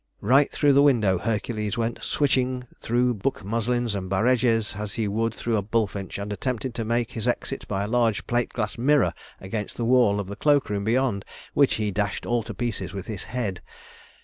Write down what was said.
Right through the window Hercules went, switching through book muslins and barèges as he would through a bullfinch, and attempting to make his exit by a large plate glass mirror against the wall of the cloak room beyond, which he dashed all to pieces with his head.